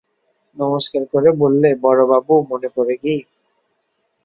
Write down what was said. নমস্কার করে বললে, বড়োবাবু, মনে পড়ে কি?